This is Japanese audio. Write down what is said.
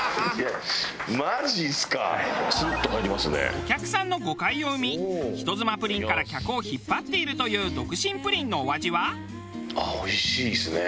「」お客さんの誤解を生み人妻プリンから客を引っ張っているという独身プリンのお味は？